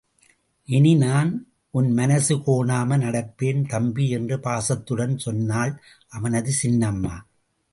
இனி நான் உன் மனசு கோணாம நடப்பேன், தம்பி!... என்று பாசத்துடன் சொன்னாள் அவனது சின்னம்மா.